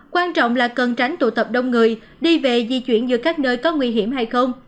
quan trọng là cần tránh tụ tập đông người đi về di chuyển giữa các nơi có nguy hiểm hay không